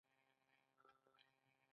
بزګرانو به د ګټې اخیستنې لپاره پیسې ورکولې.